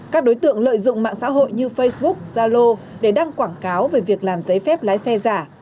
các đối tượng lợi dụng mạng xã hội như facebook zalo để đăng quảng cáo về việc làm giấy phép lái xe giả